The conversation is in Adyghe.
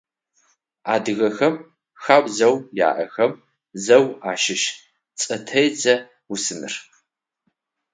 Адыгэхэм хабзэу яӀэхэм зэу ащыщ цӀэтедзэ усыныр.